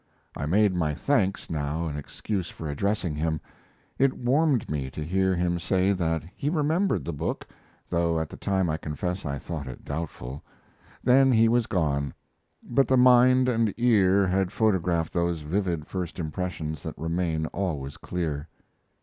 I made my thanks now an excuse for addressing him. It warmed me to hear him say that he remembered the book, though at the time I confess I thought it doubtful. Then he was gone; but the mind and ear had photographed those vivid first impressions that remain always clear.